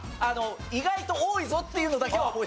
意外と多いぞっていうのだけは覚えてたんです。